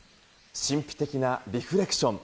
神秘的なリフレクション